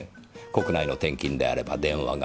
国内の転勤であれば電話がある。